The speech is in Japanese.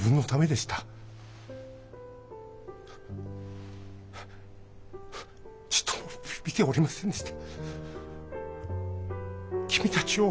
君たちをちっとも見ておりませんでした。